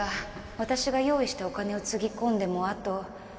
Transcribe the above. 私が用意したお金をつぎ込んでもあと